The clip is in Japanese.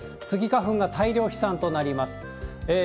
スギ花粉が大量飛散となります。